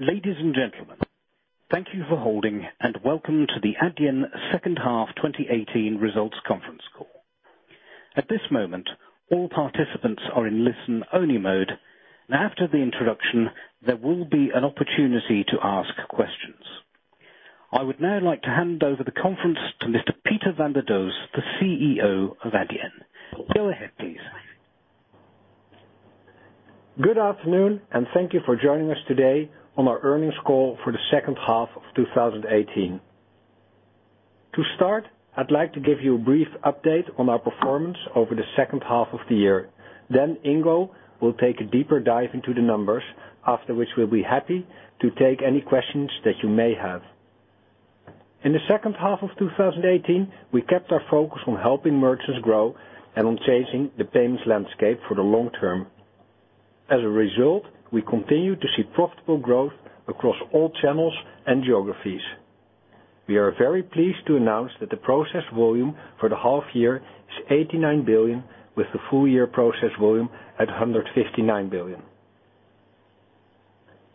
Ladies and gentlemen, thank you for holding and welcome to the Adyen second half 2018 results conference call. At this moment, all participants are in listen-only mode and after the introduction, there will be an opportunity to ask questions. I would now like to hand over the conference to Mr. Pieter van der Does, the CEO of Adyen. Go ahead, please. Good afternoon and thank you for joining us today on our earnings call for the second half of 2018. To start, I'd like to give you a brief update on our performance over the second half of the year. Ingo will take a deeper dive into the numbers, after which we'll be happy to take any questions that you may have. In the second half of 2018, we kept our focus on helping merchants grow and on changing the payments landscape for the long term. As a result, we continue to see profitable growth across all channels and geographies. We are very pleased to announce that the processed volume for the half year is 89 billion with the full year processed volume at 159 billion.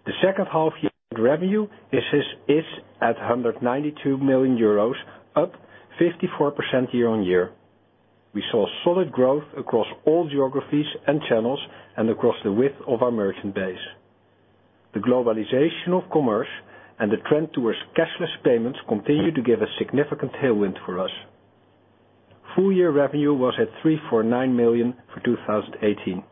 The second half year revenue is at 192 million euros, up 54% year-on-year. We saw solid growth across all geographies and channels and across the width of our merchant base. The globalization of commerce and the trend towards cashless payments continue to give a significant tailwind for us. Full year revenue was at 349 million for 2018.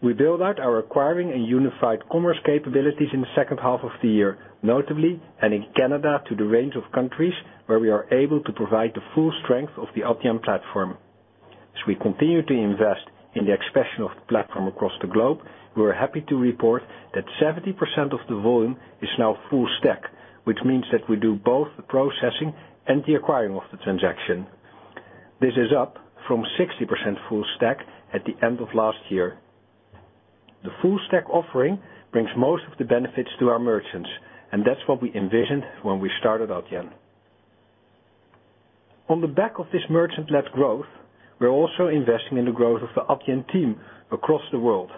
We build out our acquiring and unified commerce capabilities in the second half of the year, notably adding Canada to the range of countries where we are able to provide the full strength of the Adyen platform. As we continue to invest in the expansion of the platform across the globe, we are happy to report that 70% of the volume is now full stack, which means that we do both the processing and the acquiring of the transaction. This is up from 60% full stack at the end of last year. The full stack offering brings most of the benefits to our merchants, and that's what we envisioned when we started Adyen. On the back of this merchant-led growth, we're also investing in the growth of the Adyen team across the world.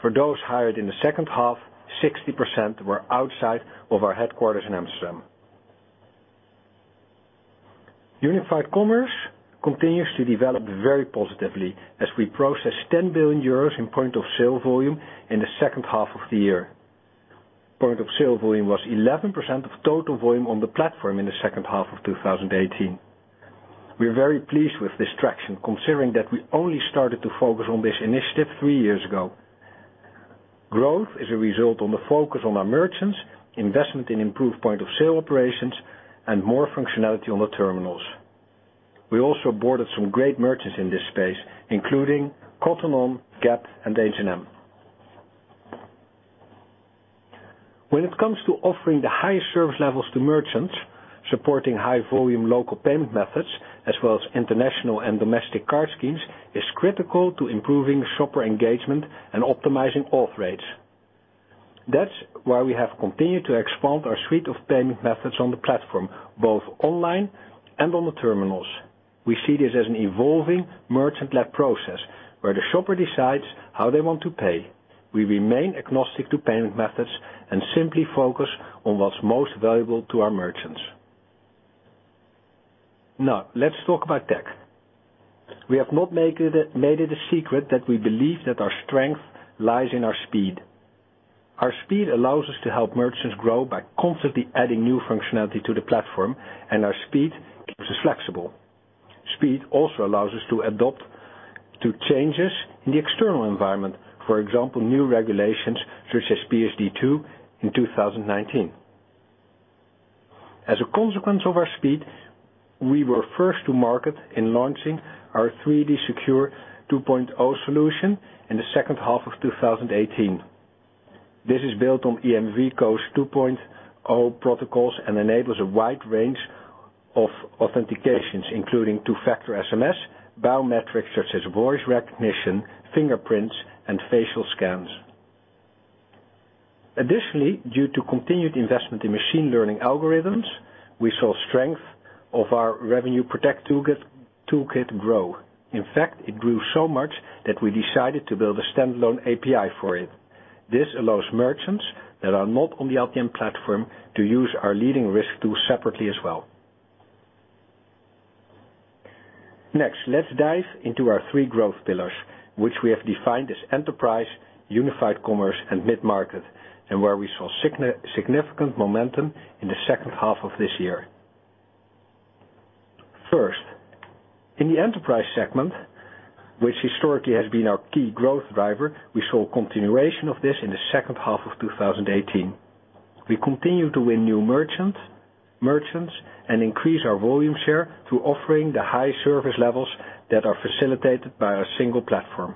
For those hired in the second half, 60% were outside of our headquarters in Amsterdam. Unified commerce continues to develop very positively as we process 10 billion euros in point of sale volume in the second half of the year. Point of sale volume was 11% of total volume on the platform in the second half of 2018. We're very pleased with this traction considering that we only started to focus on this initiative three years ago. Growth is a result on the focus on our merchants, investment in improved point of sale operations, and more functionality on the terminals. We also boarded some great merchants in this space, including Cotton On, Gap, and H&M. When it comes to offering the highest service levels to merchants, supporting high volume local payment methods as well as international and domestic card schemes is critical to improving shopper engagement and optimizing auth rates. That's why we have continued to expand our suite of payment methods on the platform, both online and on the terminals. We see this as an evolving merchant-led process where the shopper decides how they want to pay. We remain agnostic to payment methods and simply focus on what's most valuable to our merchants. Now let's talk about tech. We have not made it a secret that we believe that our strength lies in our speed. Our speed allows us to help merchants grow by constantly adding new functionality to the platform, and our speed keeps us flexible. Speed also allows us to adapt to changes in the external environment. For example, new regulations such as PSD2 in 2019. As a consequence of our speed, we were first to market in launching our 3D Secure 2.0 solution in the second half of 2018. This is built on EMVCo's 2.0 protocols and enables a wide range of authentications, including two-factor SMS, biometrics such as voice recognition, fingerprints, and facial scans. Additionally, due to continued investment in machine learning algorithms, we saw strength of our RevenueProtect toolkit grow. In fact, it grew so much that we decided to build a standalone API for it. This allows merchants that are not on the Adyen platform to use our leading risk tool separately as well. Next, let's dive into our three growth pillars, which we have defined as enterprise, unified commerce, and mid-market, and where we saw significant momentum in the second half of this year. First, in the enterprise segment, which historically has been our key growth driver, we saw a continuation of this in the second half of 2018. We continue to win new merchants and increase our volume share through offering the high service levels that are facilitated by our single platform.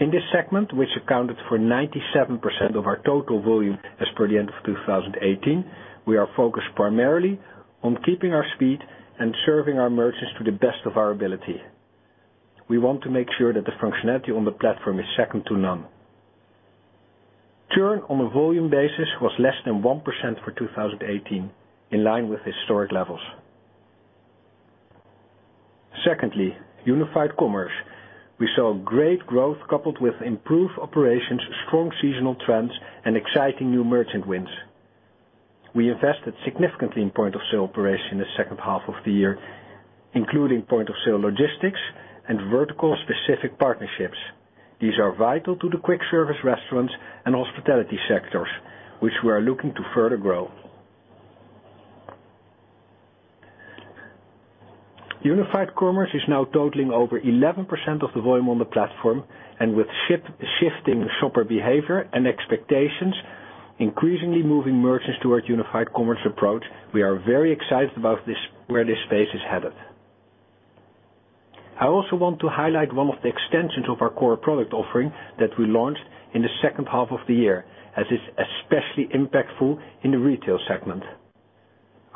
In this segment, which accounted for 97% of our total volume as per the end of 2018, we are focused primarily on keeping our speed and serving our merchants to the best of our ability. We want to make sure that the functionality on the platform is second to none. Churn on a volume basis was less than 1% for 2018, in line with historic levels. Secondly, unified commerce. We saw great growth coupled with improved operations, strong seasonal trends, and exciting new merchant wins. We invested significantly in point-of-sale operation in the second half of the year, including point-of-sale logistics and vertical specific partnerships. These are vital to the quick service restaurants and hospitality sectors, which we are looking to further grow. Unified commerce is now totaling over 11% of the volume on the platform, and with shifting shopper behavior and expectations, increasingly moving merchants towards unified commerce approach, we are very excited about where this space is headed. I also want to highlight one of the extensions of our core product offering that we launched in the second half of the year, as it's especially impactful in the retail segment.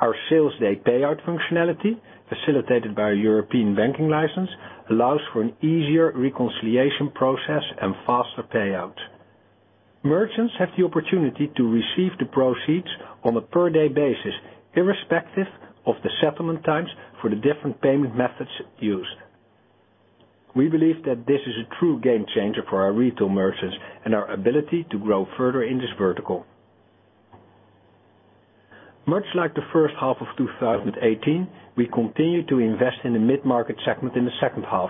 Our same-day payout functionality, facilitated by a European banking license, allows for an easier reconciliation process and faster payouts. Merchants have the opportunity to receive the proceeds on a per-day basis, irrespective of the settlement times for the different payment methods used. We believe that this is a true game changer for our retail merchants and our ability to grow further in this vertical. Much like the first half of 2018, we continued to invest in the mid-market segment in the second half.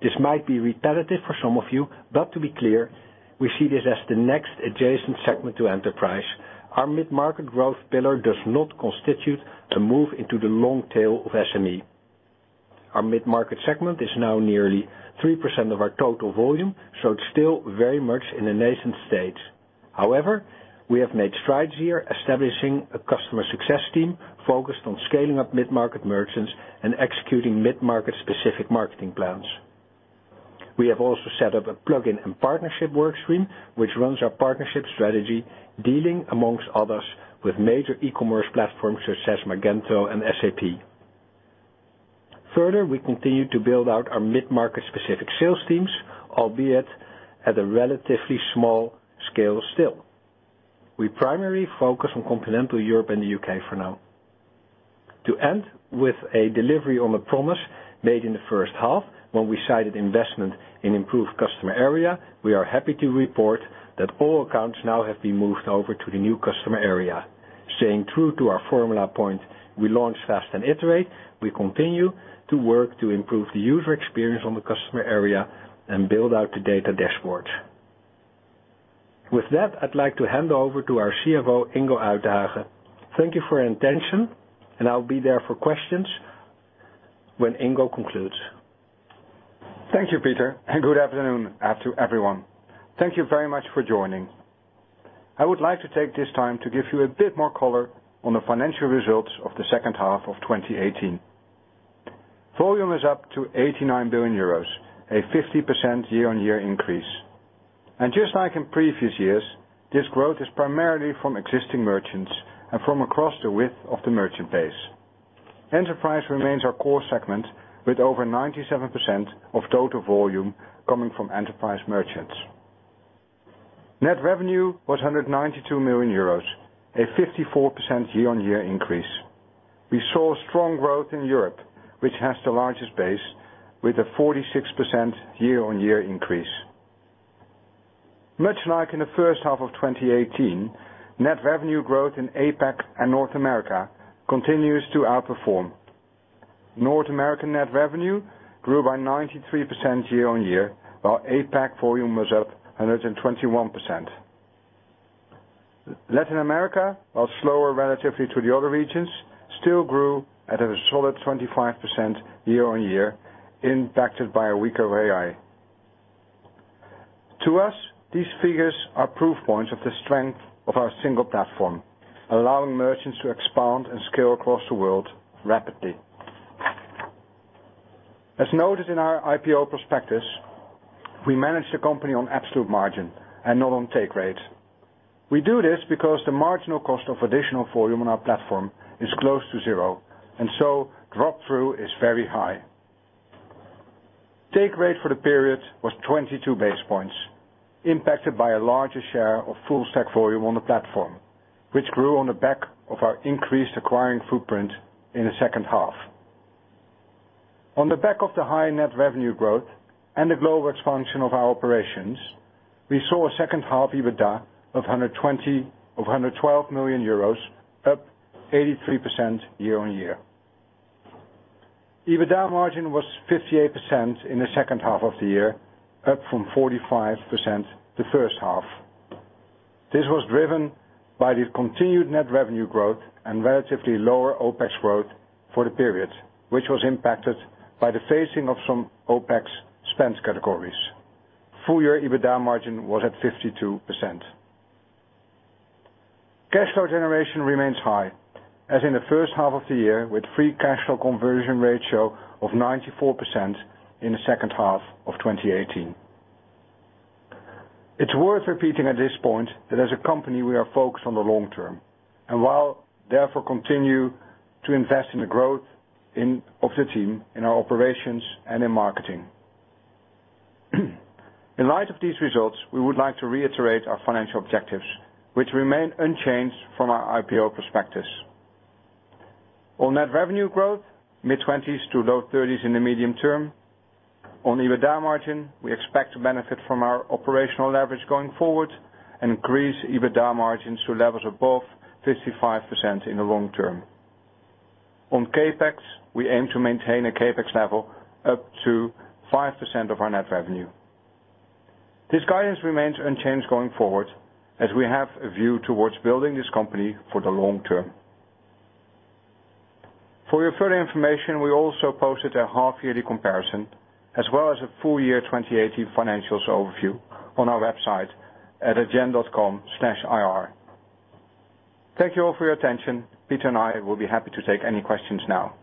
This might be repetitive for some of you, but to be clear, we see this as the next adjacent segment to enterprise. Our mid-market growth pillar does not constitute a move into the long tail of SME. Our mid-market segment is now nearly 3% of our total volume, so it's still very much in a nascent state. However, we have made strides here establishing a customer success team focused on scaling up mid-market merchants and executing mid-market specific marketing plans. We have also set up a plugin and partnership work stream, which runs our partnership strategy dealing, amongst others, with major e-commerce platforms such as Magento and SAP. We continue to build out our mid-market specific sales teams, albeit at a relatively small scale still. We primarily focus on continental Europe and the U.K. for now. To end with a delivery on a promise made in the first half when we cited investment in improved customer area, we are happy to report that all accounts now have been moved over to the new customer area. Staying true to our formula point, we launch fast and iterate. We continue to work to improve the user experience on the customer area and build out the data dashboards. I'd like to hand over to our CFO, Ingo Uytdehaage. Thank you for your attention, I'll be there for questions when Ingo concludes. Thank you, Pieter, good afternoon to everyone. Thank you very much for joining. I would like to take this time to give you a bit more color on the financial results of the second half of 2018. Volume is up to 89 billion euros, a 50% year-on-year increase. Just like in previous years, this growth is primarily from existing merchants and from across the width of the merchant base. Enterprise remains our core segment with over 97% of total volume coming from enterprise merchants. Net revenue was 192 million euros, a 54% year-on-year increase. We saw strong growth in Europe, which has the largest base, with a 46% year-on-year increase. Much like in the first half of 2018, net revenue growth in APAC and North America continues to outperform. North American net revenue grew by 93% year-on-year, while APAC volume was up 121%. Latin America, while slower relatively to the other regions, still grew at a solid 25% year-on-year, impacted by a weaker FX. To us, these figures are proof points of the strength of our single platform, allowing merchants to expand and scale across the world rapidly. As noted in our IPO prospectus, we manage the company on absolute margin and not on take rate. We do this because the marginal cost of additional volume on our platform is close to zero, so drop-through is very high. Take rate for the period was 22 basis points, impacted by a larger share of full stack volume on the platform, which grew on the back of our increased acquiring footprint in the second half. On the back of the high net revenue growth and the global expansion of our operations, we saw a second half EBITDA of 112 million euros, up 83% year-on-year. EBITDA margin was 58% in the second half of the year, up from 45% the first half. This was driven by the continued net revenue growth and relatively lower OPEX growth for the period, which was impacted by the phasing of some OPEX spend categories. Full-year EBITDA margin was at 52%. Cash flow generation remains high, as in the first half of the year, with free cash flow conversion ratio of 94% in the second half of 2018. It's worth repeating at this point that as a company, we are focused on the long term. While therefore continue to invest in the growth of the team in our operations and in marketing. In light of these results, we would like to reiterate our financial objectives, which remain unchanged from our IPO prospectus. On net revenue growth, mid-20s to low 30s in the medium term. On EBITDA margin, we expect to benefit from our operational leverage going forward and increase EBITDA margins to levels above 55% in the long term. On CapEx, we aim to maintain a CapEx level up to 5% of our net revenue. This guidance remains unchanged going forward as we have a view towards building this company for the long term. For your further information, we also posted a half-yearly comparison as well as a full-year 2018 financials overview on our website at adyen.com/ir. Thank you all for your attention. Pieter and I will be happy to take any questions now.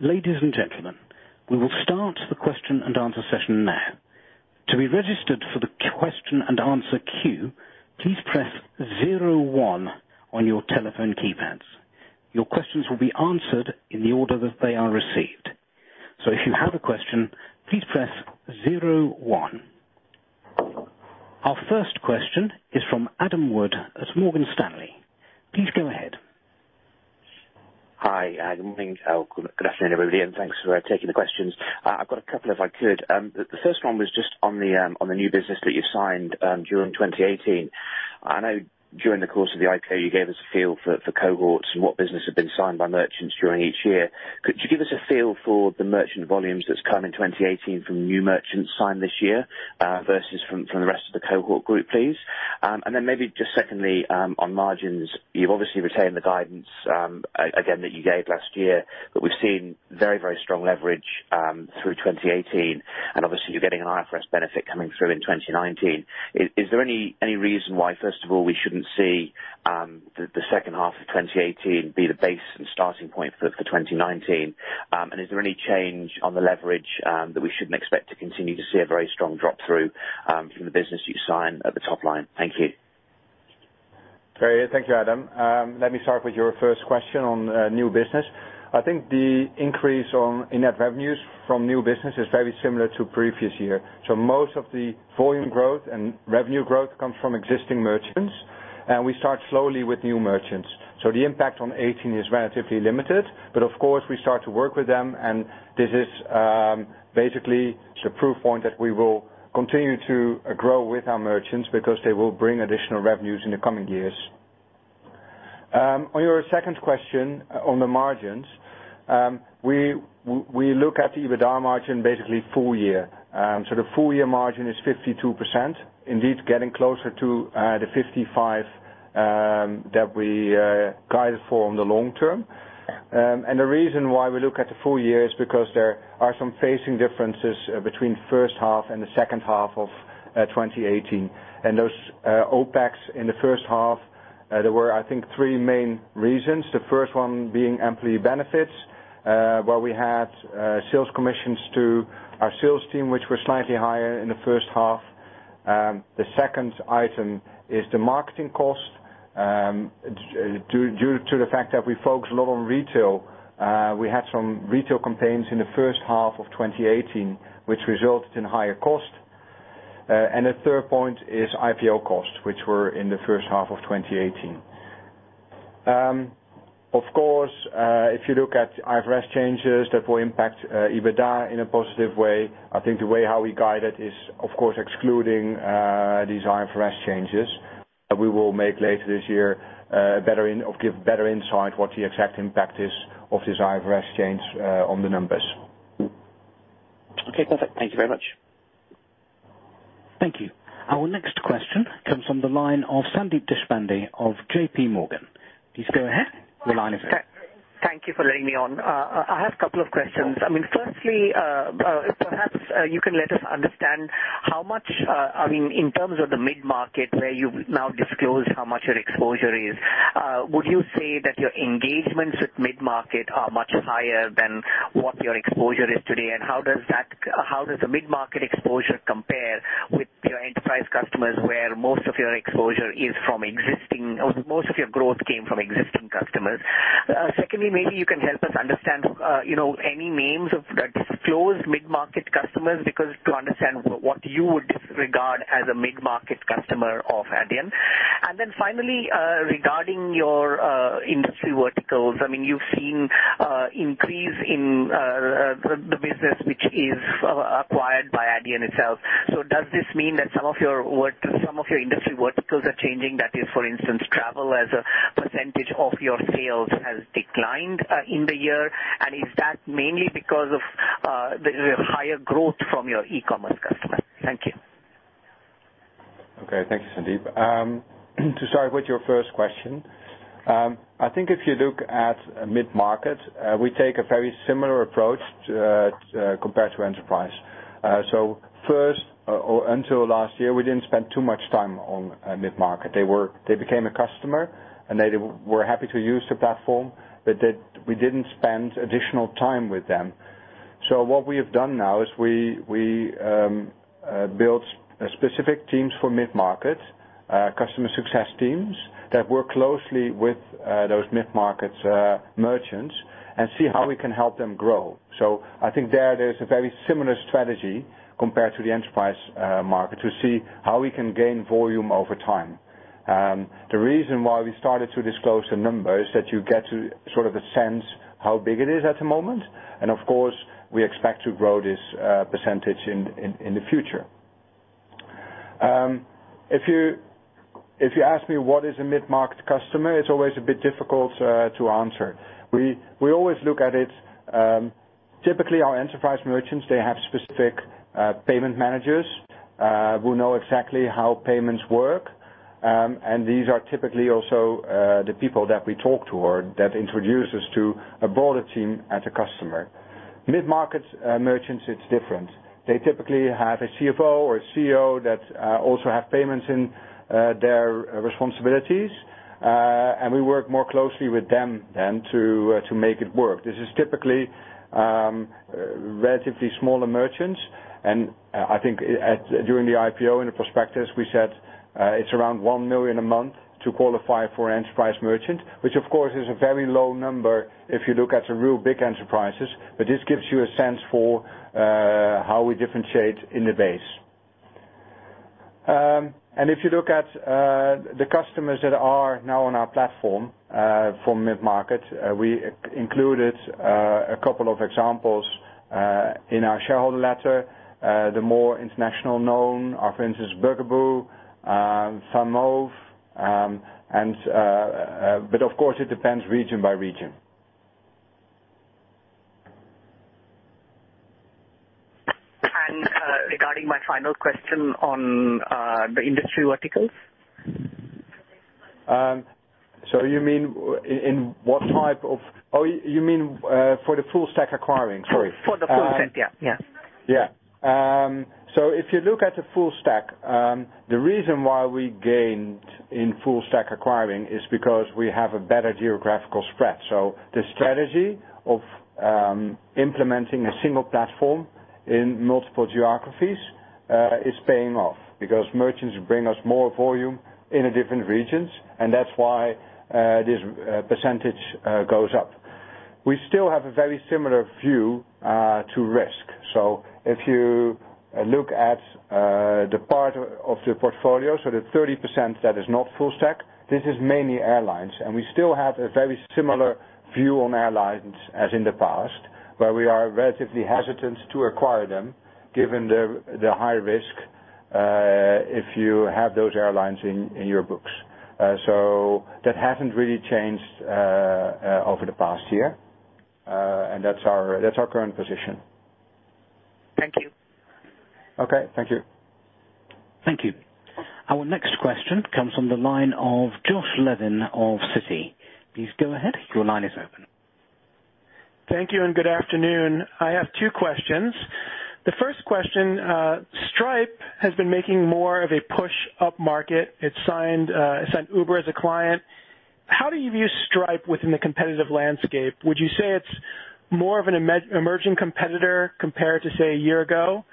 Ladies and gentlemen, we will start the question and answer session now. To be registered for the question and answer queue, please press 01 on your telephone keypads. Your questions will be answered in the order that they are received. If you have a question, please press 01. Our first question is from Adam Wood at Morgan Stanley. Please go ahead. Hi. Good morning. Good afternoon, everybody, and thanks for taking the questions. I've got a couple if I could. The first one was just on the new business that you signed during 2018. I know during the course of the IPO, you gave us a feel for cohorts and what business had been signed by merchants during each year. Could you give us a feel for the merchant volumes that's come in 2018 from new merchants signed this year versus from the rest of the cohort group, please? Maybe just secondly, on margins, you've obviously retained the guidance again that you gave last year, but we've seen very strong leverage through 2018, and obviously you're getting an IFRS benefit coming through in 2019. Is there any reason why, first of all, we shouldn't see the second half of 2018 be the base and starting point for 2019? Is there any change on the leverage that we shouldn't expect to continue to see a very strong drop through from the business you sign at the top line? Thank you. Very good. Thank you, Adam. Let me start with your first question on new business. I think the increase in net revenues from new business is very similar to previous year. Most of the volume growth and revenue growth comes from existing merchants. We start slowly with new merchants. The impact on 2018 is relatively limited. Of course, we start to work with them, and this is basically the proof point that we will continue to grow with our merchants because they will bring additional revenues in the coming years. On your second question on the margins, we look at the EBITDA margin basically full year. The full-year margin is 52%, indeed getting closer to the 55% that we guided for on the long term. The reason why we look at the full year is because there are some phasing differences between first half and the second half of 2018. Those OPEX in the first half, there were, I think, three main reasons. The first one being employee benefits, where we had sales commissions to our sales team, which were slightly higher in the first half. The second item is the marketing cost. Due to the fact that we focus a lot on retail, we had some retail campaigns in the first half of 2018, which resulted in higher cost. The third point is IPO costs, which were in the first half of 2018. Of course, if you look at IFRS changes that will impact EBITDA in a positive way, I think the way how we guide it is, of course, excluding these IFRS changes that we will make later this year give better insight what the exact impact is of this IFRS change on the numbers. Okay, perfect. Thank you very much. Thank you. Our next question comes from the line of Sandeep Deshpande of J.P. Morgan. Please go ahead. The line is open. Thank you for letting me on. I have a couple of questions. Firstly, perhaps you can let us understand how much, in terms of the mid-market where you've now disclosed how much your exposure is, would you say that your engagements with mid-market are much higher than what your exposure is today? How does the mid-market exposure compare with your enterprise customers where most of your growth came from existing customers? Secondly, maybe you can help us understand any names of disclosed mid-market customers to understand what you would regard as a mid-market customer of Adyen. Finally, regarding your industry verticals, you've seen increase in the business which is acquired by Adyen itself. Does this mean that some of your industry verticals are changing? That is, for instance, travel as a percentage of your sales has declined in the year. Is that mainly because of the higher growth from your e-commerce customer? Thank you. Okay. Thank you, Sandeep. To start with your first question. I think if you look at mid-market, we take a very similar approach compared to enterprise. First, until last year, we didn't spend too much time on mid-market. They became a customer, and they were happy to use the platform, but we didn't spend additional time with them. What we have done now is we built specific teams for mid-market, customer success teams that work closely with those mid-market merchants and see how we can help them grow. I think there's a very similar strategy compared to the enterprise market to see how we can gain volume over time. The reason why we started to disclose the number is that you get to sort of a sense how big it is at the moment, and of course, we expect to grow this percentage in the future. If you ask me what is a mid-market customer, it's always a bit difficult to answer. We always look at it, typically our enterprise merchants, they have specific payment managers who know exactly how payments work, and these are typically also the people that we talk to or that introduce us to a broader team at a customer. Mid-market merchants, it's different. They typically have a CFO or a CEO that also have payments in their responsibilities. We work more closely with them then to make it work. This is typically relatively smaller merchants, and I think, during the IPO in the prospectus, we said it's around 1 million a month to qualify for an enterprise merchant, which of course is a very low number if you look at the real big enterprises, but this gives you a sense for how we differentiate in the base. If you look at the customers that are now on our platform for mid-market, we included a couple of examples, in our shareholder letter, the more international known are, for instance, Bugaboo, VanMoof, but of course it depends region by region. Regarding my final question on the industry verticals. You mean, for the full-stack acquiring? Sorry. For the full stack. Yeah. Yeah. If you look at the full stack, the reason why we gained in full-stack acquiring is because we have a better geographical spread. The strategy of implementing a single platform in multiple geographies is paying off because merchants bring us more volume in the different regions, and that's why this percentage goes up. We still have a very similar view to risk. If you look at the part of the portfolio, so the 30% that is not full stack, this is mainly airlines, and we still have a very similar view on airlines as in the past, where we are relatively hesitant to acquire them given the high risk if you have those airlines in your books. That hasn't really changed over the past year. That's our current position. Thank you. Okay. Thank you. Thank you. Our next question comes from the line of Josh Levin of Citi. Please go ahead. Your line is open. Thank you. Good afternoon. I have two questions. The first question, Stripe has been making more of a push-up market. It signed Uber as a client. How do you view Stripe within the competitive landscape? Would you say it's more of an emerging competitor compared to, say, a year ago?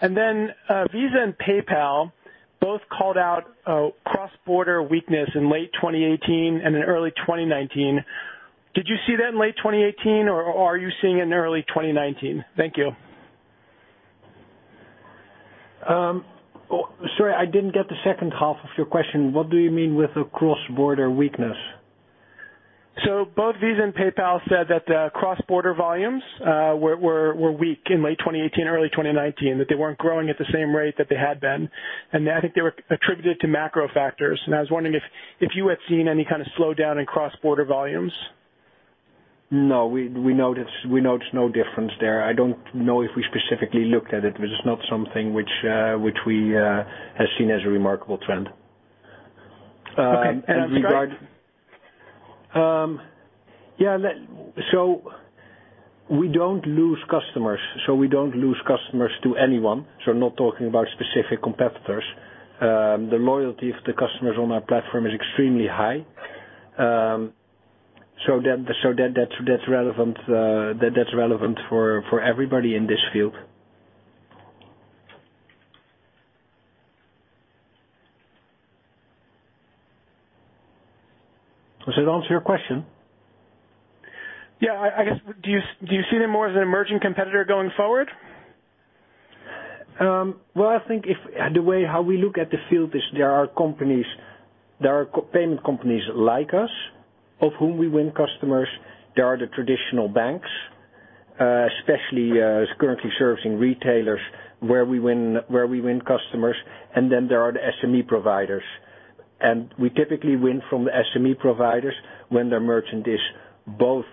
Visa and PayPal both called out a cross-border weakness in late 2018 and in early 2019. Did you see that in late 2018, or are you seeing it in early 2019? Thank you. Sorry, I didn't get the second half of your question. What do you mean with a cross-border weakness? Both Visa and PayPal said that the cross-border volumes were weak in late 2018, early 2019, that they weren't growing at the same rate that they had been. I think they were attributed to macro factors, and I was wondering if you had seen any kind of slowdown in cross-border volumes. No, we noticed no difference there. I don't know if we specifically looked at it, but it's not something which we have seen as a remarkable trend. Okay. Stripe? Yeah. We don't lose customers. We don't lose customers to anyone, so I'm not talking about specific competitors. The loyalty of the customers on our platform is extremely high. That's relevant for everybody in this field. Does that answer your question? Yeah, I guess, do you see them more as an emerging competitor going forward? Well, I think the way how we look at the field is there are payment companies like us of whom we win customers. There are the traditional banks, especially currently servicing retailers where we win customers, and then there are the SME providers. We typically win from the SME providers when their merchant is both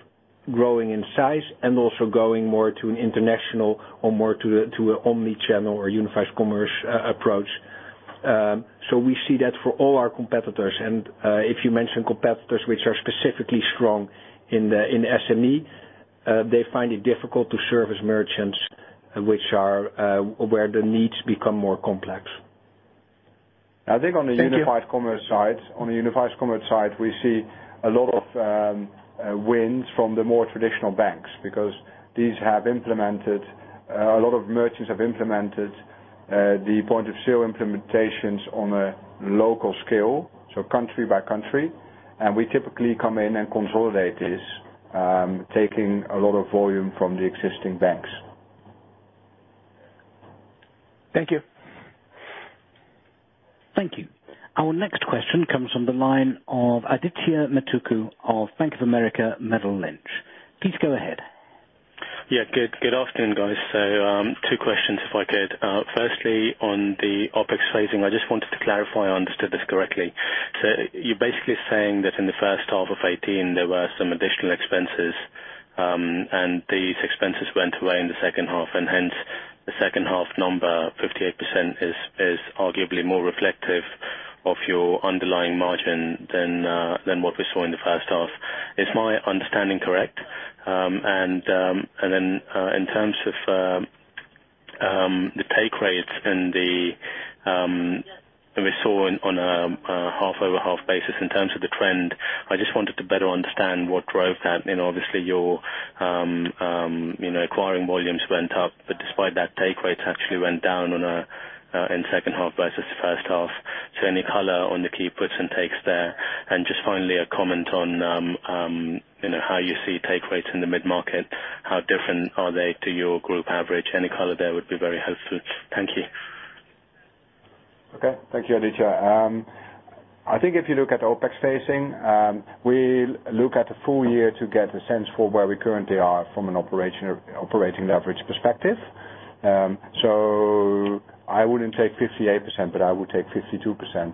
growing in size and also going more to an international or more to an omni-channel or unified commerce approach. We see that for all our competitors. If you mention competitors which are specifically strong in SME, they find it difficult to service merchants where the needs become more complex. I think on the unified commerce side, we see a lot of wins from the more traditional banks, because a lot of merchants have implemented the point-of-sale implementations on a local scale, so country by country. We typically come in and consolidate this, taking a lot of volume from the existing banks. Thank you. Thank you. Our next question comes from the line of Aditya Metuku of Bank of America Merrill Lynch. Please go ahead. Good afternoon, guys. Two questions if I could. Firstly, on the OPEX phasing, I just wanted to clarify I understood this correctly. You're basically saying that in the first half of 2018, there were some additional expenses, and these expenses went away in the second half, and hence the second half number, 58%, is arguably more reflective of your underlying margin than what we saw in the first half. Is my understanding correct? And then, in terms of the take rates and we saw on a half-over-half basis in terms of the trend, I just wanted to better understand what drove that. Obviously, your acquiring volumes went up, but despite that, take rates actually went down in second half versus first half. Any color on the key puts and takes there? Just finally, a comment on how you see take rates in the mid-market, how different are they to your group average? Any color there would be very helpful. Thank you. Okay. Thank you, Aditya. I think if you look at OpEx phasing, we look at the full year to get a sense for where we currently are from an operating leverage perspective. I wouldn't take 58%, but I would take 52%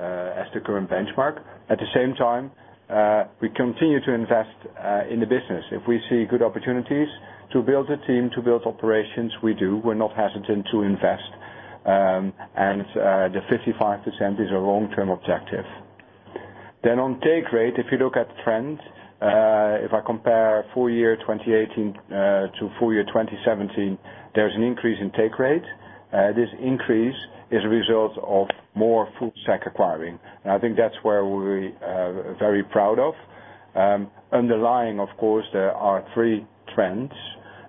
as the current benchmark. At the same time, we continue to invest in the business. If we see good opportunities to build a team, to build operations, we do. We're not hesitant to invest, and the 55% is a long-term objective. On take rate, if you look at trends, if I compare full year 2018 to full year 2017, there's an increase in take rate. This increase is a result of more full-stack acquiring, and I think that's where we're very proud of. Underlying, of course, there are three trends.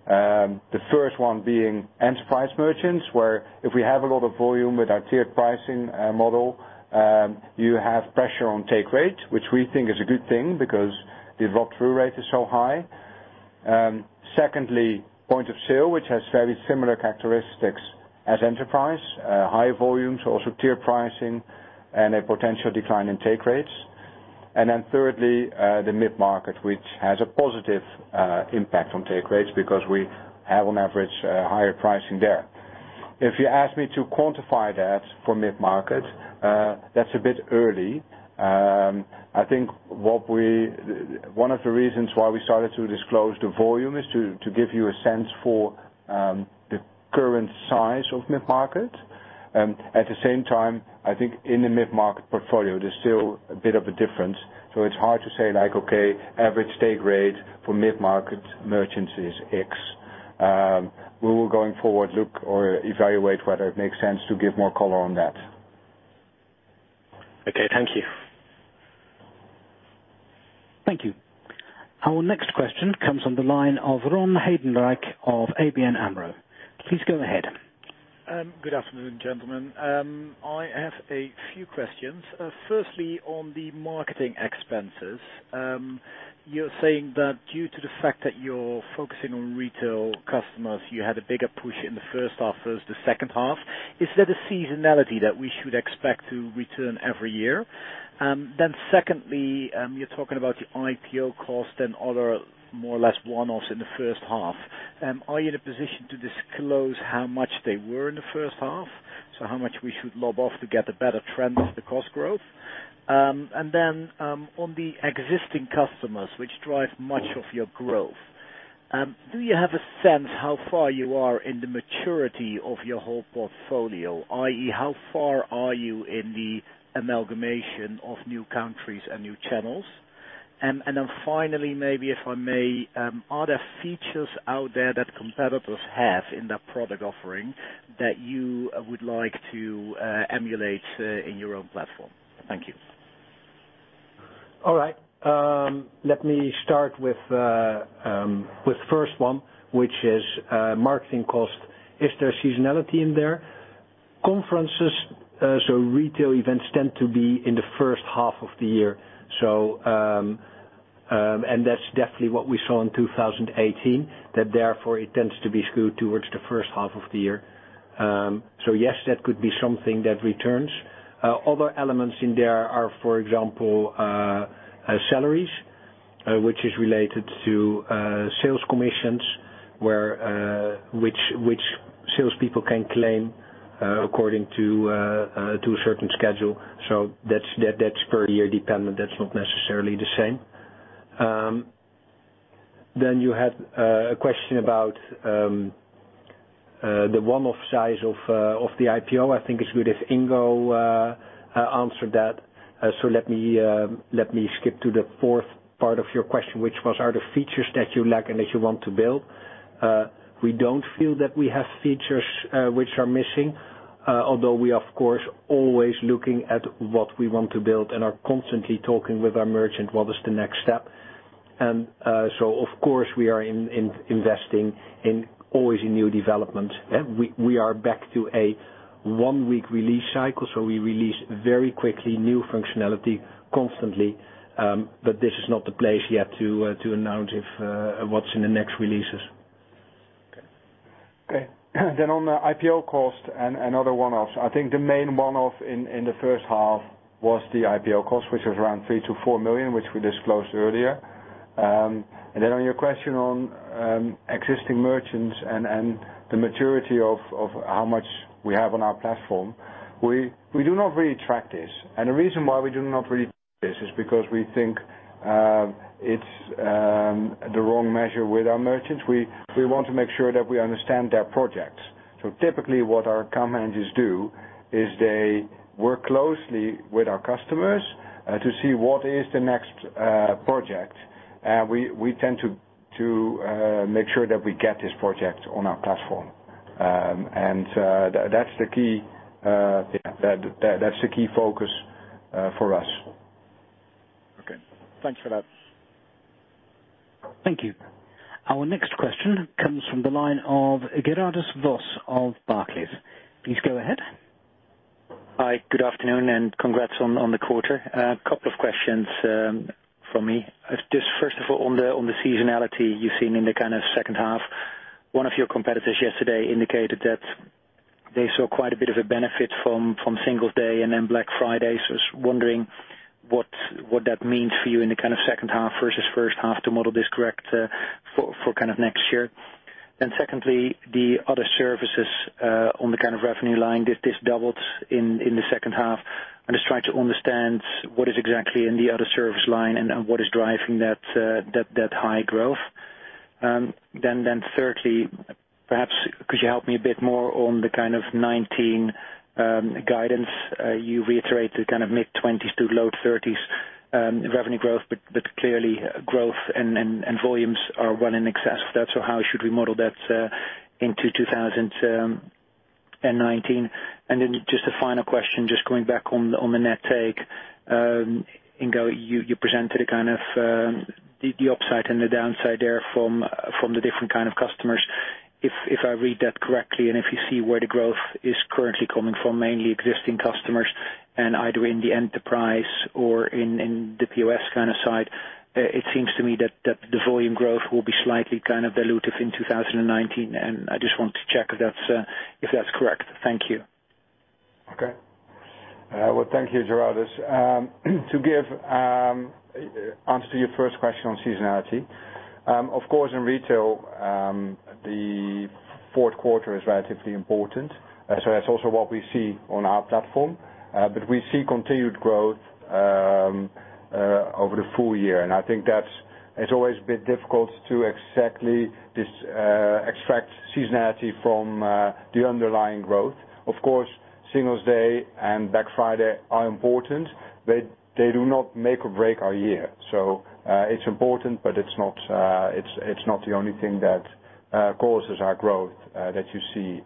The first one being enterprise merchants, where if we have a lot of volume with our tiered pricing model, you have pressure on take rate, which we think is a good thing because the drop-through rate is so high. Secondly, point of sale, which has very similar characteristics as enterprise. High volumes, also tier pricing, and a potential decline in take rates. Thirdly, the mid-market, which has a positive impact on take rates because we have, on average, higher pricing there. If you ask me to quantify that for mid-market, that's a bit early. I think one of the reasons why we started to disclose the volume is to give you a sense for the current size of mid-market. At the same time, I think in the mid-market portfolio, there's still a bit of a difference, so it's hard to say, like, okay, average take rate for mid-market merchants is X. We will, going forward, look or evaluate whether it makes sense to give more color on that. Okay. Thank you. Thank you. Our next question comes on the line of Ron Heijdenrijk of ABN AMRO. Please go ahead. Good afternoon, gentlemen. I have a few questions. Firstly, on the marketing expenses, you're saying that due to the fact that you're focusing on retail customers, you had a bigger push in the first half versus the second half. Is that a seasonality that we should expect to return every year? Secondly, you're talking about your IPO cost and other more or less one-offs in the first half. Are you in a position to disclose how much they were in the first half? How much we should lob off to get a better trend of the cost growth? On the existing customers, which drive much of your growth, do you have a sense how far you are in the maturity of your whole portfolio, i.e., how far are you in the amalgamation of new countries and new channels? Finally, maybe if I may, are there features out there that competitors have in their product offering that you would like to emulate in your own platform? Thank you. All right. Let me start with first one, which is marketing cost. Is there a seasonality in there? Conferences, retail events tend to be in the first half of the year. That's definitely what we saw in 2018, that therefore it tends to be skewed towards the first half of the year. Yes, that could be something that returns. Other elements in there are, for example, salaries, which is related to sales commissions, which salespeople can claim according to a certain schedule. That's per year dependent. That's not necessarily the same. You had a question about the one-off size of the IPO. I think it's good if Ingo answered that. Let me skip to the fourth part of your question, which was, are the features that you lack and that you want to build? We don't feel that we have features which are missing although we are, of course, always looking at what we want to build and are constantly talking with our merchant, what is the next step. Of course, we are investing always in new developments. We are back to a one-week release cycle, so we release very quickly new functionality constantly but this is not the place yet to announce what's in the next releases. Okay. On the IPO cost and other one-offs. I think the main one-off in the first half was the IPO cost, which was around 3 million-4 million, which we disclosed earlier. On your question on existing merchants and the maturity of how much we have on our platform. We do not really track this, and the reason why we do not really track this is because we think it's the wrong measure with our merchants. We want to make sure that we understand their projects. Typically what our account managers do is they work closely with our customers to see what is the next project. We tend to make sure that we get this project on our platform. That's the key focus for us. Okay. Thanks for that. Thank you. Our next question comes from the line of Gerardus Vos of Barclays. Please go ahead. Hi, good afternoon, and congrats on the quarter. A couple of questions from me. First of all, on the seasonality you've seen in the second half. One of your competitors yesterday indicated that they saw quite a bit of a benefit from Singles' Day and Black Friday. I was wondering what that means for you in the second half versus first half to model this correct for next year. Secondly, the other services on the revenue line, this doubled in the second half. I'm trying to understand what is exactly in the other service line and what is driving that high growth. Thirdly, perhaps could you help me a bit more on the kind of 2019 guidance. You reiterate the kind of mid-20s to low 30s revenue growth, but clearly growth and volumes are well in excess of that. How should we model that into 2019? A final question, going back on the net take. Ingo, you presented the upside and the downside there from the different kind of customers. If I read that correctly and if you see where the growth is currently coming from, mainly existing customers and either in the enterprise or in the POS kind of side. It seems to me that the volume growth will be slightly dilutive in 2019, and I want to check if that's correct. Thank you. Well, thank you, Gerardus. To give answer to your first question on seasonality. Of course, in retail, the fourth quarter is relatively important. That's also what we see on our platform. We see continued growth over the full year. I think that it's always a bit difficult to exactly extract seasonality from the underlying growth. Of course, Singles' Day and Black Friday are important, but they do not make or break our year. It's important, but it's not the only thing that causes our growth that you see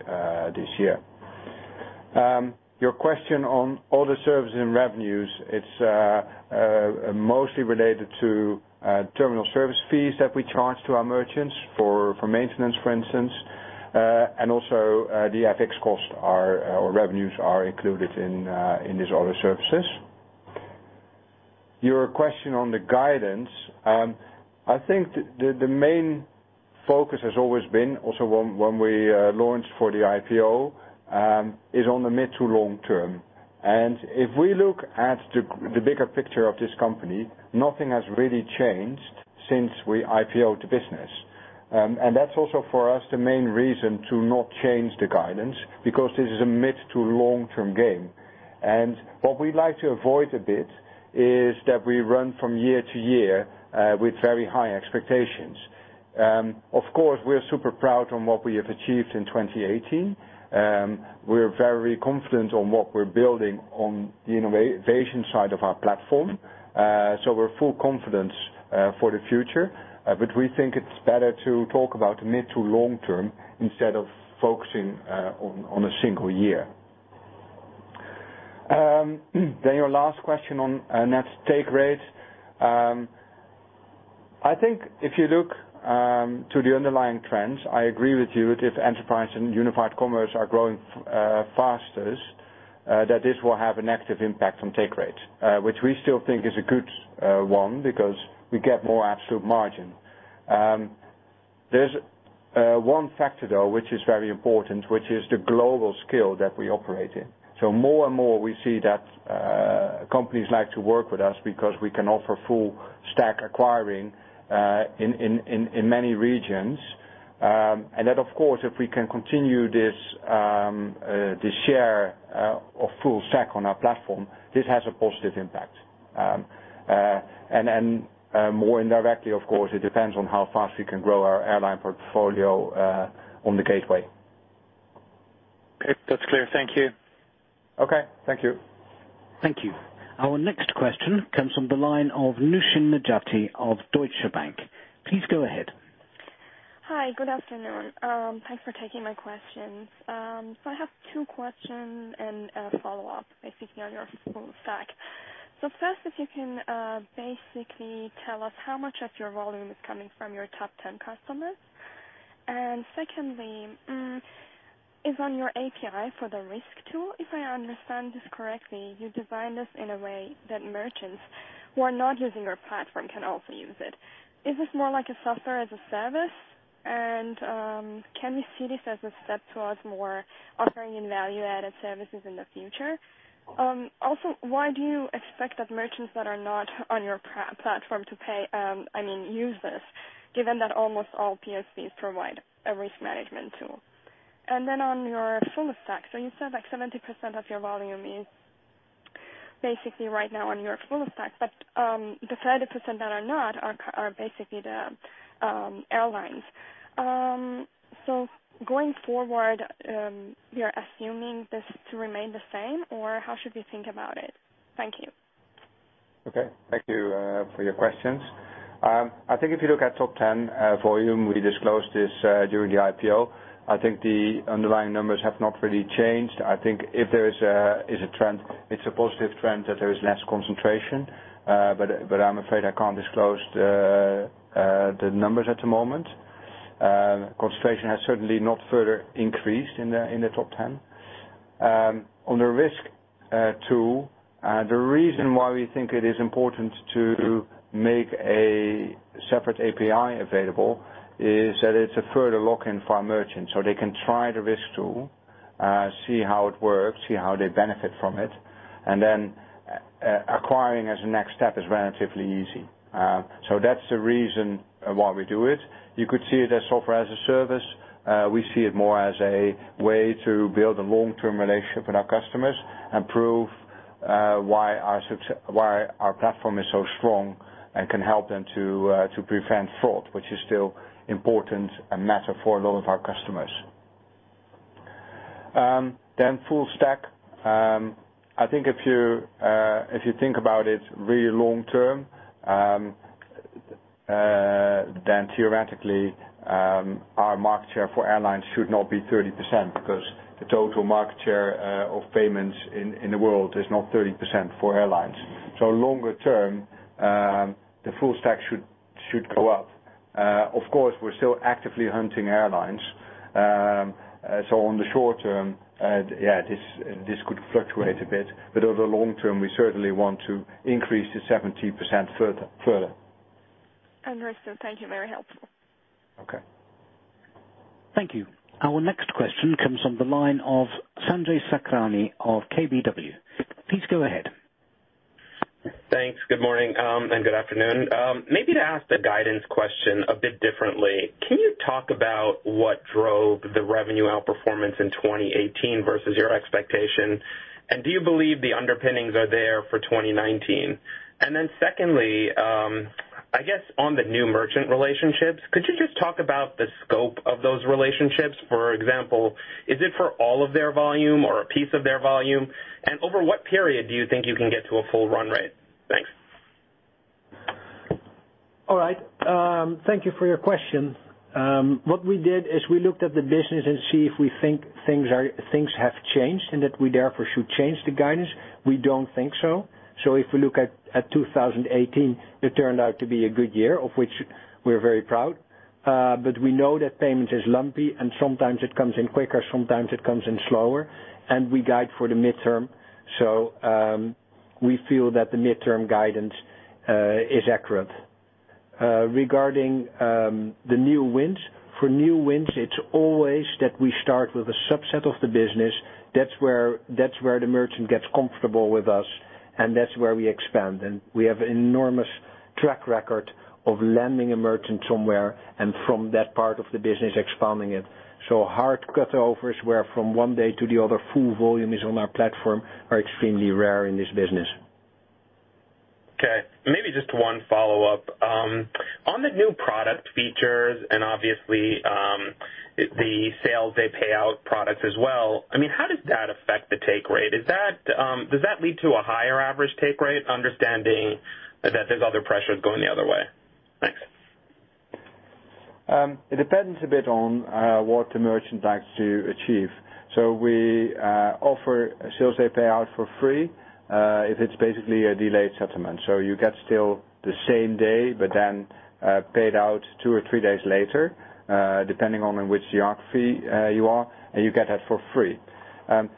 this year. Your question on all the services and revenues, it's mostly related to terminal service fees that we charge to our merchants for maintenance, for instance. Also the FX cost or revenues are included in these other services. Your question on the guidance. I think the main focus has always been, also when we launched for the IPO, is on the mid to long term. If we look at the bigger picture of this company, nothing has really changed since we IPO-ed the business. That's also for us the main reason to not change the guidance, because this is a mid to long-term game. What we'd like to avoid a bit is that we run from year to year with very high expectations. Of course, we're super proud on what we have achieved in 2018. We're very confident on what we're building on the innovation side of our platform. We're full confidence for the future, but we think it's better to talk about mid to long term instead of focusing on a single year. Your last question on net take rate. I think if you look to the underlying trends, I agree with you that if enterprise and unified commerce are growing fastest, that this will have a negative impact on take rate, which we still think is a good one because we get more absolute margin. There's one factor, though, which is very important, which is the global scale that we operate in. More and more we see that companies like to work with us because we can offer full-stack acquiring in many regions. That, of course, if we can continue this share of full stack on our platform, this has a positive impact. More indirectly, of course, it depends on how fast we can grow our airline portfolio on the gateway. Okay, that's clear. Thank you. Okay. Thank you. Thank you. Our next question comes from the line of Nooshin Nejati of Deutsche Bank. Please go ahead. Hi. Good afternoon. Thanks for taking my questions. I have two questions and a follow-up, basically, on your full stack. First, if you can basically tell us how much of your volume is coming from your top 10 customers. Secondly, is on your API for the risk tool, if I understand this correctly, you designed this in a way that merchants who are not using your platform can also use it. Is this more like a software as a service? Can we see this as a step towards more offering in value-added services in the future? Also, why do you expect that merchants that are not on your platform to pay, I mean, use this, given that almost all PSPs provide a risk management tool? On your full stack, you said like 70% of your volume is basically right now on your full stack, but the 30% that are not are basically the airlines. Going forward, we are assuming this to remain the same, or how should we think about it? Thank you. Okay. Thank you for your questions. I think if you look at top 10 volume, we disclosed this during the IPO. I think the underlying numbers have not really changed. I think if there is a trend, it's a positive trend that there is less concentration. I'm afraid I can't disclose the numbers at the moment. Concentration has certainly not further increased in the top 10. On the risk tool, the reason why we think it is important to make a separate API available is that it's a further lock-in for our merchants, they can try the risk tool, see how it works, see how they benefit from it, and then acquiring as a next step is relatively easy. That's the reason why we do it. You could see it as software as a service. We see it more as a way to build a long-term relationship with our customers and prove why our platform is so strong and can help them to prevent fraud, which is still important and matter for a lot of our customers. Full stack, I think if you think about it really long-term, then theoretically, our market share for airlines should not be 30% because the total market share of payments in the world is not 30% for airlines. Longer term, the full stack should go up. Of course, we're still actively hunting airlines. On the short term, this could fluctuate a bit, but over the long term, we certainly want to increase the 70% further. Understood. Thank you. Very helpful. Okay. Thank you. Our next question comes from the line of Sanjay Sakhrani of KBW. Please go ahead. Thanks. Good morning and good afternoon. Maybe to ask the guidance question a bit differently, can you talk about what drove the revenue outperformance in 2018 versus your expectation, and do you believe the underpinnings are there for 2019? Then secondly, I guess on the new merchant relationships, could you just talk about the scope of those relationships? For example, is it for all of their volume or a piece of their volume? Over what period do you think you can get to a full run rate? Thanks. All right. Thank you for your question. What we did is we looked at the business and see if we think things have changed and that we therefore should change the guidance. We don't think so. If we look at 2018, it turned out to be a good year, of which we're very proud. We know that payment is lumpy, and sometimes it comes in quicker, sometimes it comes in slower, and we guide for the midterm. We feel that the midterm guidance is accurate. Regarding the new wins, for new wins, it's always that we start with a subset of the business. That's where the merchant gets comfortable with us, and that's where we expand. We have enormous track record of landing a merchant somewhere, and from that part of the business, expanding it. Hard cutovers, where from one day to the other full volume is on our platform, are extremely rare in this business. Okay, maybe just one follow-up. On the new product features and obviously, the same-day payout products as well, how does that affect the take rate? Does that lead to a higher average take rate, understanding that there is other pressures going the other way? Thanks. It depends a bit on what the merchant likes to achieve. We offer same-day payout for free if it is basically a delayed settlement. You get still the same day, but then paid out two or three days later, depending on in which geography you are, and you get that for free.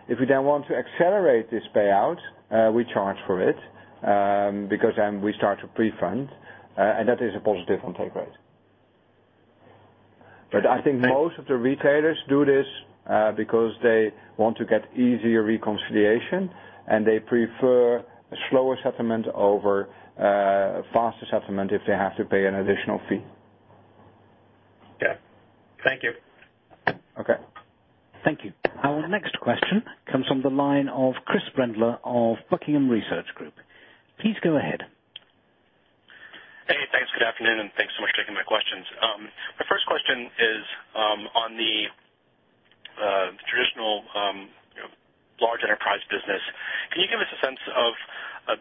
If we then want to accelerate this payout, we charge for it, because then we start to pre-fund, and that is a positive on take rate. I think most of the retailers do this because they want to get easier reconciliation, and they prefer a slower settlement over a faster settlement if they have to pay an additional fee. Okay. Thank you. Okay. Thank you. Our next question comes from the line of Chris Brendler of Buckingham Research Group. Please go ahead. Thanks so much for taking my questions. My first question is on the traditional large enterprise business. Can you give us a sense of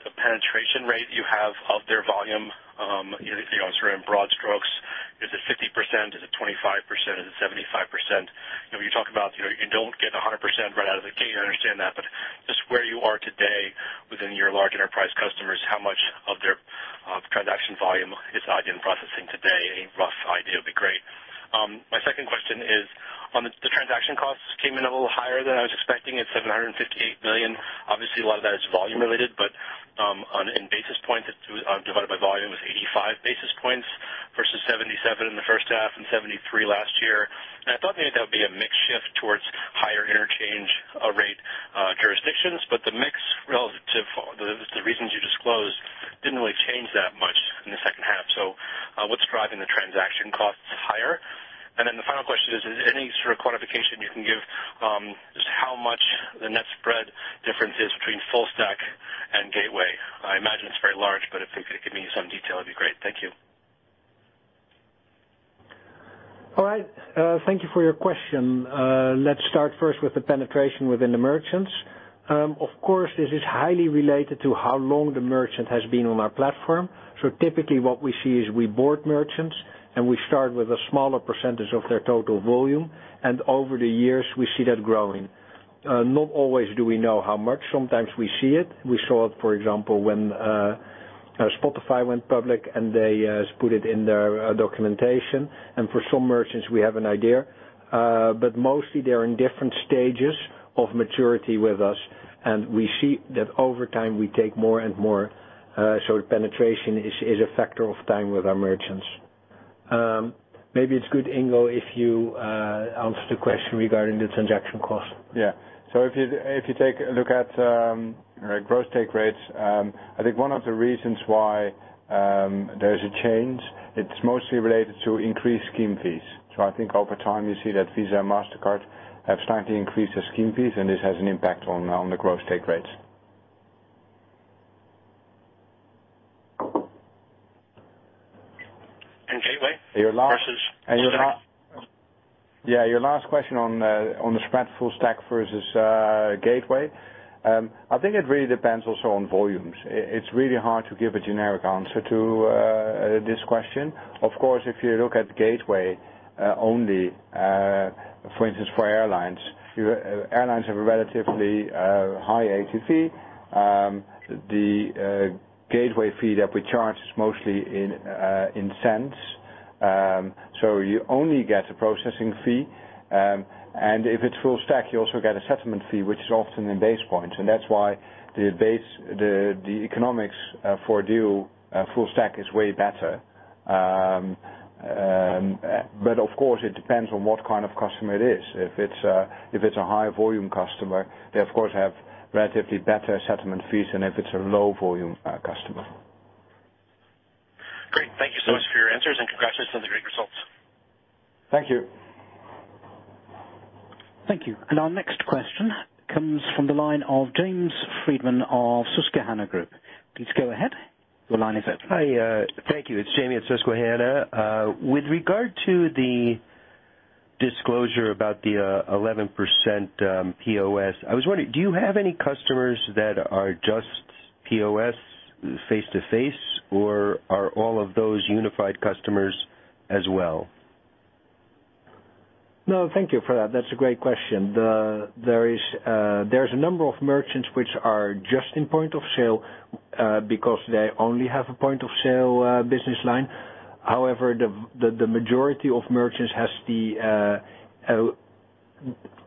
the penetration rate you have of their volume, sort of in broad strokes? Is it 50%? Is it 25%? Is it 75%? You talk about you don't get 100% right out of the gate, I understand that, but just where you are today within your large enterprise customers, how much of their transaction volume is Adyen processing today? A rough idea would be great. My second question is on the transaction costs, came in a little higher than I was expecting at 758 million. Obviously, a lot of that is volume related, but in basis points, divided by volume, is 85 basis points versus 77 in the first half and 73 last year. I thought maybe that would be a mix shift towards higher interchange rate jurisdictions, but the mix relative to the reasons you disclosed didn't really change that much in the second half. What's driving the transaction costs higher? The final question is, any sort of quantification you can give, just how much the net spread difference is between full stack and gateway? I imagine it's very large, but if you could give me some detail, it'd be great. Thank you. All right. Thank you for your question. Let's start first with the penetration within the merchants. Of course, this is highly related to how long the merchant has been on our platform. Typically, what we see is we board merchants, and we start with a smaller percentage of their total volume, and over the years, we see that growing. Not always do we know how much. Sometimes we see it. We saw it, for example, when Spotify went public, and they put it in their documentation. For some merchants, we have an idea. Mostly, they're in different stages of maturity with us, and we see that over time, we take more and more. Penetration is a factor of time with our merchants. Maybe it's good, Ingo, if you answer the question regarding the transaction cost. Yeah. If you take a look at gross take rates, I think one of the reasons why there is a change, it's mostly related to increased scheme fees. I think over time, you see that Visa, Mastercard have slightly increased their scheme fees, and this has an impact on the gross take rates. Gateway versus- Yeah. Your last question on the spread full stack versus gateway. I think it really depends also on volumes. It's really hard to give a generic answer to this question. Of course, if you look at gateway only, for instance, for airlines have a relatively high agency fee. The gateway fee that we charge is mostly in cents. You only get a processing fee, and if it's full stack, you also get a settlement fee, which is often in basis points. That's why the economics for dual full stack is way better. Of course, it depends on what kind of customer it is. If it's a high-volume customer, they of course, have relatively better settlement fees than if it's a low-volume customer. Great. Thank you so much for your answers, and congratulations on the great results. Thank you. Thank you. Our next question comes from the line of James Friedman of Susquehanna Group. Please go ahead. Your line is open. Hi. Thank you. It's Jamie at Susquehanna. With regard to the disclosure about the 11% POS, I was wondering, do you have any customers that are just POS face-to-face, or are all of those unified customers as well? No, thank you for that. That's a great question. There's a number of merchants which are just in point of sale because they only have a point of sale business line. However, the majority of merchants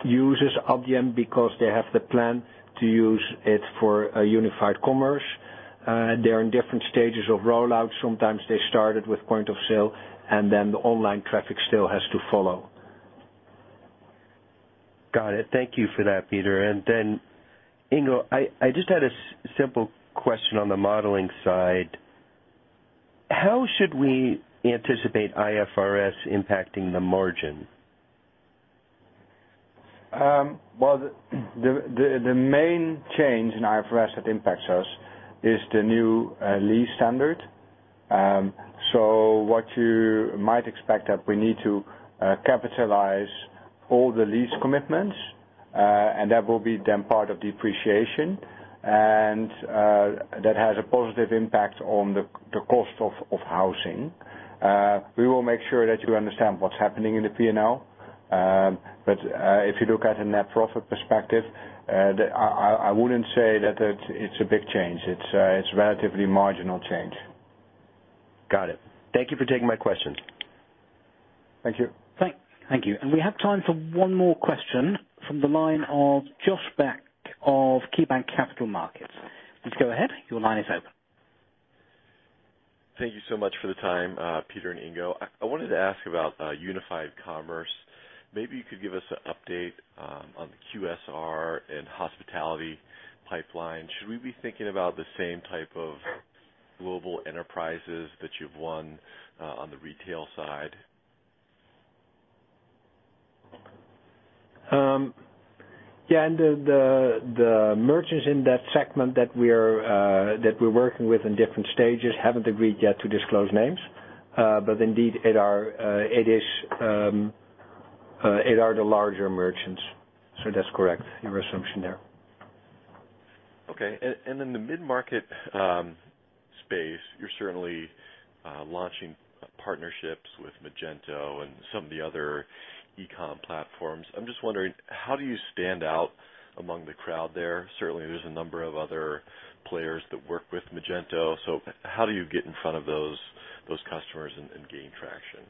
uses Adyen because they have the plan to use it for a unified commerce. They're in different stages of rollout. Sometimes they started with point of sale, then the online traffic still has to follow. Got it. Thank you for that, Pieter. Then Ingo, I just had a simple question on the modeling side. How should we anticipate IFRS impacting the margin? Well, the main change in IFRS that impacts us is the new lease standard. What you might expect that we need to capitalize all the lease commitments, and that will be then part of depreciation, and that has a positive impact on the cost of housing. We will make sure that you understand what's happening in the P&L. If you look at a net profit perspective, I wouldn't say that it's a big change. It's a relatively marginal change. Got it. Thank you for taking my questions. Thank you. Thank you. We have time for one more question from the line of Josh Beck of KeyBanc Capital Markets. Please go ahead. Your line is open. Thank you so much for the time, Pieter and Ingo. I wanted to ask about unified commerce. Maybe you could give us an update on the QSR and hospitality pipeline. Should we be thinking about the same type of global enterprises that you've won on the retail side? Yeah. The merchants in that segment that we're working with in different stages haven't agreed yet to disclose names. Indeed, it are the larger merchants. That's correct, your assumption there. Okay. In the mid-market space, you're certainly launching partnerships with Magento and some of the other e-com platforms. I'm just wondering, how do you stand out among the crowd there? Certainly, there's a number of other players that work with Magento. How do you get in front of those customers and gain traction?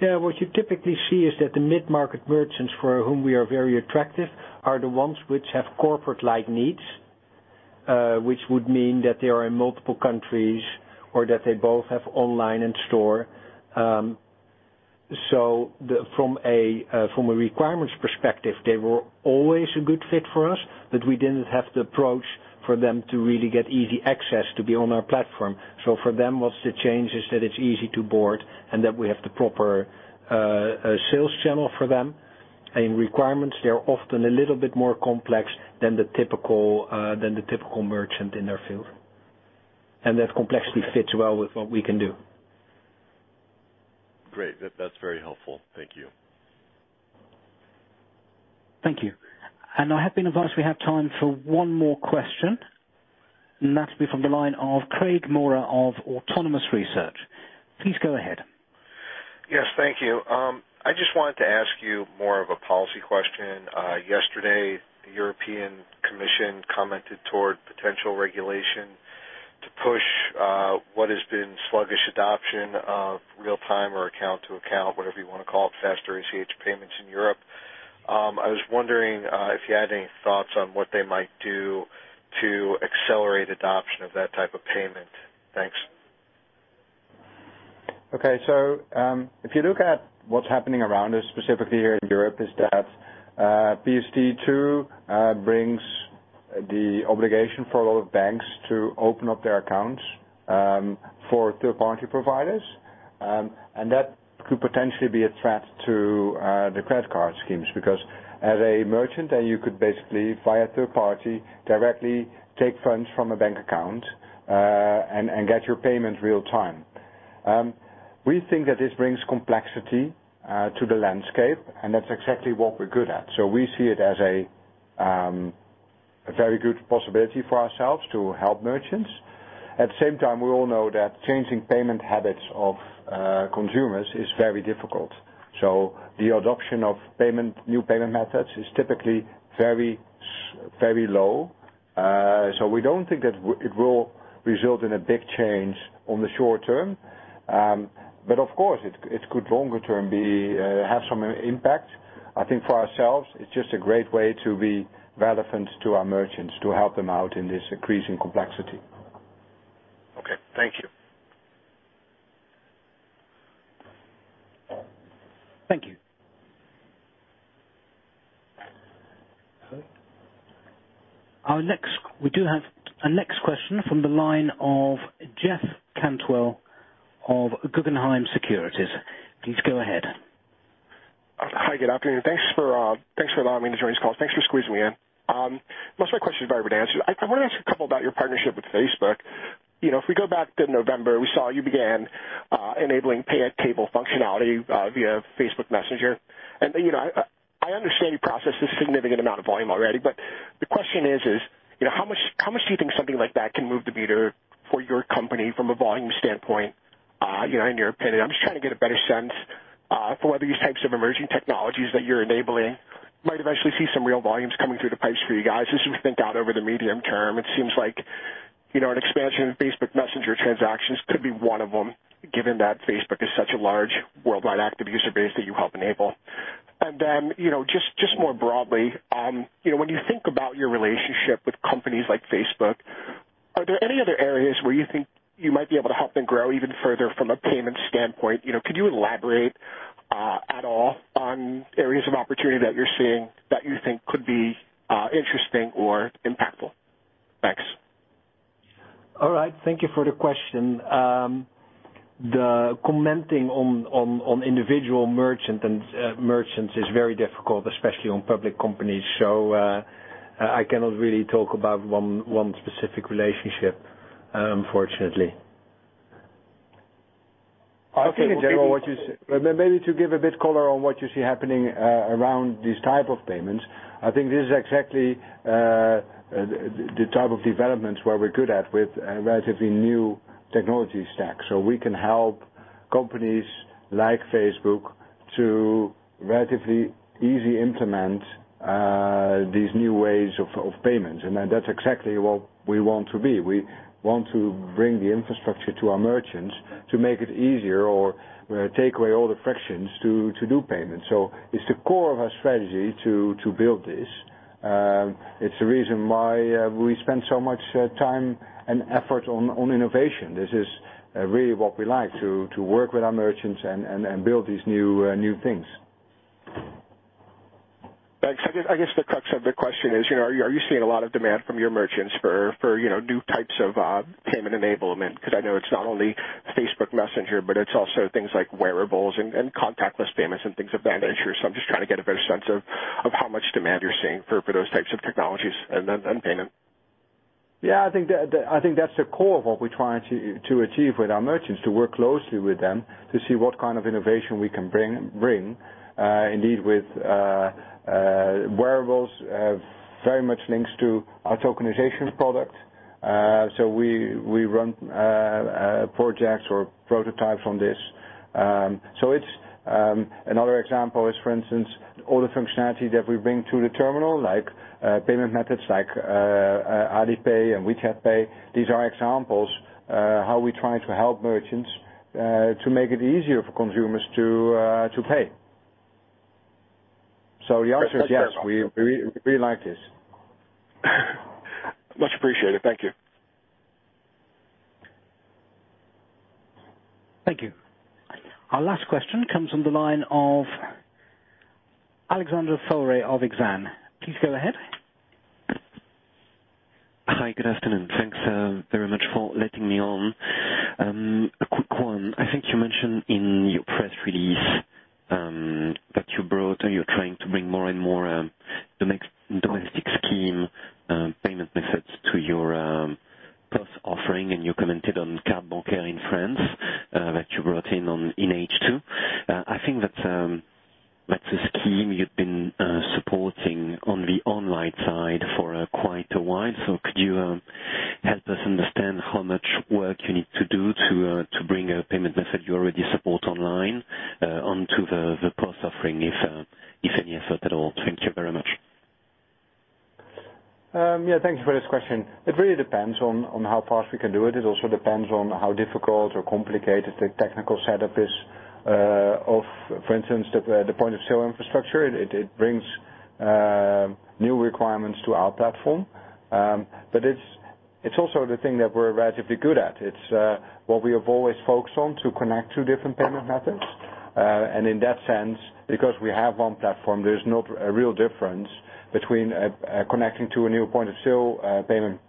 What you typically see is that the mid-market merchants for whom we are very attractive are the ones which have corporate-like needs, which would mean that they are in multiple countries or that they both have online and store. From a requirements perspective, they were always a good fit for us, but we didn't have the approach for them to really get easy access to be on our platform. For them, what's the change is that it's easy to board and that we have the proper sales channel for them. In requirements, they're often a little bit more complex than the typical merchant in their field. That complexity fits well with what we can do. Great. That's very helpful. Thank you. Thank you. I have been advised we have time for one more question. That'll be from the line of Craig Maurer of Autonomous Research. Please go ahead. Thank you. I just wanted to ask you more of a policy question. Yesterday, the European Commission commented toward potential regulation to push what has been sluggish adoption of real-time or account-to-account, whatever you want to call it, faster ACH payments in Europe. I was wondering if you had any thoughts on what they might do to accelerate adoption of that type of payment. Thanks. Okay. If you look at what's happening around us, specifically here in Europe, is that PSD2 brings the obligation for a lot of banks to open up their accounts for third-party providers. That could potentially be a threat to the credit card schemes because as a merchant, you could basically, via third party, directly take funds from a bank account, and get your payment real-time. We think that this brings complexity to the landscape, and that's exactly what we're good at. We see it as a very good possibility for ourselves to help merchants. At the same time, we all know that changing payment habits of consumers is very difficult. The adoption of new payment methods is typically very low. We don't think that it will result in a big change in the short term. Of course, it could longer term have some impact. I think for ourselves, it's just a great way to be relevant to our merchants, to help them out in this increasing complexity. Okay. Thank you. Thank you. We do have a next question from the line of Jeff Cantwell of Guggenheim Securities. Please go ahead. Hi, good afternoon. Thanks for allowing me to join this call. Thanks for squeezing me in. Most of my questions have already been answered. I want to ask a couple about your partnership with Facebook. If we go back to November, we saw you began enabling pay-at-table functionality via Facebook Messenger. I understand you processed a significant amount of volume already. The question is, how much do you think something like that can move the meter for your company from a volume standpoint, in your opinion? I'm just trying to get a better sense for whether these types of emerging technologies that you're enabling might eventually see some real volumes coming through the pipes for you guys, as you think out over the medium term. It seems like an expansion of Facebook Messenger transactions could be one of them, given that Facebook is such a large worldwide active user base that you help enable. Just more broadly, when you think about your relationship with companies like Facebook, are there any other areas where you think you might be able to help them grow even further from a payment standpoint? Could you elaborate at all on areas of opportunity that you're seeing that you think could be interesting or impactful? Thanks. All right. Thank you for the question. Commenting on individual merchants is very difficult, especially on public companies. I cannot really talk about one specific relationship, unfortunately. Okay. I think in general, maybe to give a bit color on what you see happening around these type of payments. I think this is exactly the type of developments where we're good at with a relatively new technology stack. We can help companies like Facebook to relatively easy implement these new ways of payment. That's exactly what we want to be. We want to bring the infrastructure to our merchants to make it easier or take away all the frictions to do payment. It's the core of our strategy to build this. It's the reason why we spend so much time and effort on innovation. This is really what we like, to work with our merchants and build these new things. Thanks. I guess the crux of the question is, are you seeing a lot of demand from your merchants for new types of payment enablement? I know it's not only Facebook Messenger, but it's also things like wearables and contactless payments and things of that nature. I'm just trying to get a better sense of how much demand you're seeing for those types of technologies and payment. Yeah, I think that's the core of what we're trying to achieve with our merchants, to work closely with them to see what kind of innovation we can bring. Indeed, with wearables, very much links to our tokenization product. We run projects or prototypes on this. Another example is, for instance, all the functionality that we bring to the terminal, like payment methods like Alipay and WeChat Pay. These are examples how we try to help merchants, to make it easier for consumers to pay. The answer is yes, we really like this. Much appreciated. Thank you. Thank you. Our last question comes from the line of Alexandre Faure of Exane. Please go ahead. Hi. Good afternoon. Thanks very much for letting me on. A quick one. I think you mentioned in your press release that you brought or you're trying to bring more and more domestic scheme payment methods to your POS offering, and you commented on Cartes Bancaires in France that you brought in in H2. I think that's a scheme you've been supporting on the online side for quite a while. Could you help us understand how much work you need to do to bring a payment method you already support online onto the POS offering, if any effort at all? Thank you very much. Yeah. Thank you for this question. It really depends on how fast we can do it. It also depends on how difficult or complicated the technical setup is of, for instance, the point-of-sale infrastructure. It brings new requirements to our platform. It's also the thing that we're relatively good at. It's what we have always focused on, to connect two different payment methods. In that sense, because we have one platform, there's not a real difference between connecting to a new point-of-sale payment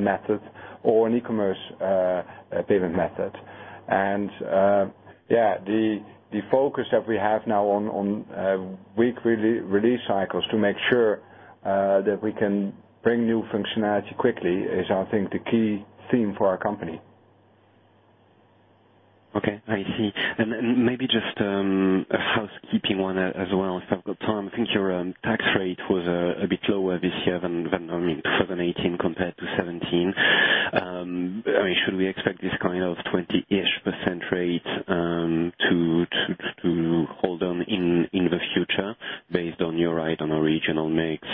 method or an e-commerce payment method. Yeah, the focus that we have now on weekly release cycles to make sure that we can bring new functionality quickly is, I think, the key theme for our company. Okay. I see. Maybe just a housekeeping one as well, if I've got time. I think your tax rate was a bit lower this year, 2018 compared to 2017. Should we expect this kind of 20-ish % rate to hold on in the future based on your regional mix?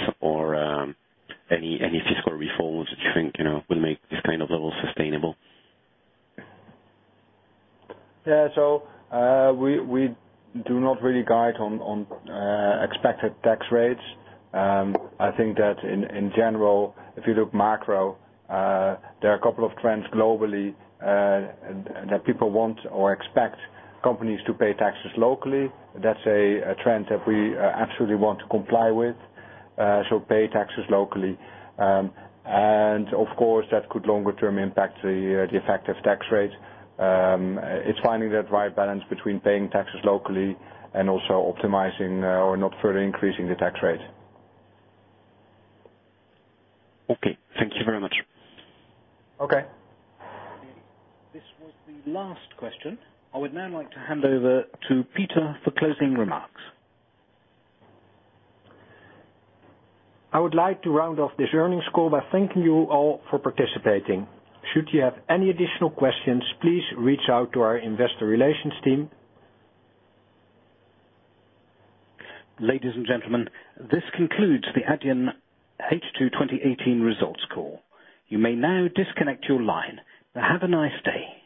Any fiscal reforms that you think will make this kind of level sustainable? Yeah. We do not really guide on expected tax rates. I think that in general, if you look macro, there are a couple of trends globally that people want or expect companies to pay taxes locally. That's a trend that we absolutely want to comply with, so pay taxes locally. Of course, that could longer term impact the effective tax rate. It's finding that right balance between paying taxes locally and also optimizing or not further increasing the tax rate. Okay. Thank you very much. Okay. This was the last question. I would now like to hand over to Pieter for closing remarks. I would like to round off this earnings call by thanking you all for participating. Should you have any additional questions, please reach out to our investor relations team. Ladies and gentlemen, this concludes the Adyen H2 2018 results call. You may now disconnect your line. Have a nice day.